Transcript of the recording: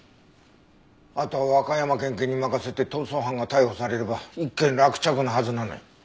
あとは和歌山県警に任せて逃走犯が逮捕されれば一件落着のはずなのに。